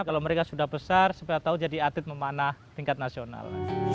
kalau mereka sudah besar supaya tahu jadi atlet memanah tingkat nasional